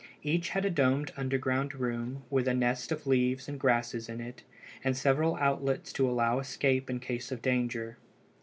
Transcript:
Each had a domed underground room with a nest of leaves and grasses in it, and several outlets to allow escape in case of danger.